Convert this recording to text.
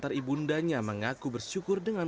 kami berdua yang berhasil berjalan